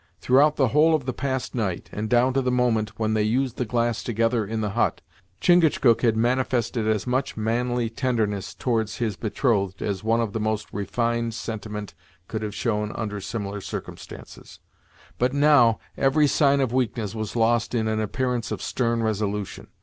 Throughout the whole of the past night, and down to the moment, when they used the glass together in the hut, Chingachgook had manifested as much manly tenderness towards his betrothed as one of the most refined sentiment could have shown under similar circumstances, but now every sign of weakness was lost in an appearance of stern resolution.